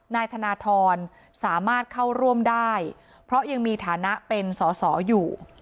นายธนทรสามารถเข้าร่วมได้เพราะยังมีฐานะเป็นสอสออยู่